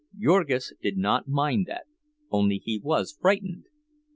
Jurgis did not mind that, only he was frightened.